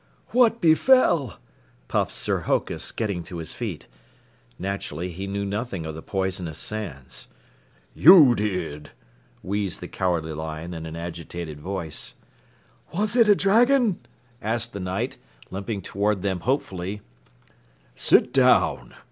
"What befell?" puffed Sir Hokus, getting to his feet. Naturally, he knew nothing of the poisonous sands. "You did," wheezed the Cowardly Lion in an agitated voice. "Was it a dragon?" asked the Knight, limping toward them hopefully. "Sit down!"